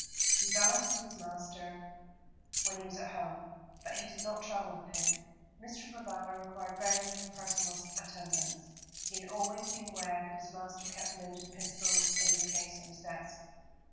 He valeted his master when he was at home, but he did not travel with him. Mr. Provana required very little personal attendance. He had always been aware that his master kept loaded pistols in the case on his desk.